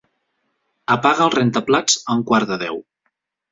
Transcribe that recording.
Apaga el rentaplats a un quart de deu.